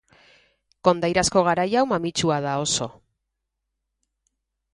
Kondairazko garai hau mamitsua da oso.